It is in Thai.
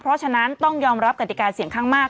เพราะฉะนั้นต้องยอมรับกติกาเสียงข้างมาก